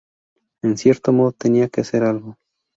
En cierto modo tenía que hacer algo.